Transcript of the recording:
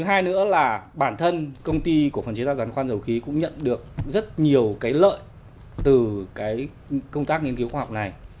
thứ hai nữa là bản thân công ty cổ phần chế tạo giàn khoan dầu khí cũng nhận được rất nhiều cái lợi từ cái công tác nghiên cứu khoa học này